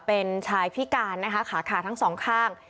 เป็นชายพิการนะคะขาขาทั้งสองข้าง